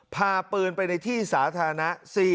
พาปืนไปในที่สาธารณะ